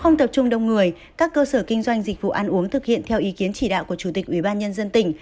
không tập trung đông người các cơ sở kinh doanh dịch vụ ăn uống thực hiện theo ý kiến chỉ đạo của chủ tịch ủy ban nhân dân tỉnh